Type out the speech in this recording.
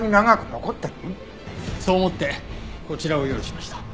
そう思ってこちらを用意しました。